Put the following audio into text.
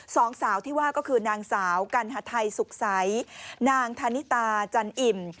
สองสาวที่ว่าก็คือนางสาวกัณฑไทยสุขใสนางธานิตาจันอิ่ม